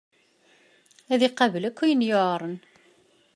Ad iqabel akk ayen yuɛren.